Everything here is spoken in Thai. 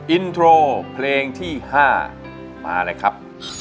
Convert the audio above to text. อินโทรเพลงที่๕มาเลยครับ